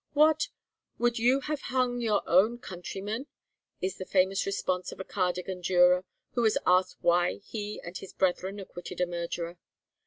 'What! would you have hur hang hur own countryman?' is the famous response of a Cardigan juror, who was asked why he and his brethren acquitted a murderer.